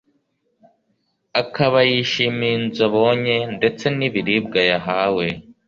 akaba yishimiye inzu abonye ndetse n'ibiribwa yahawe.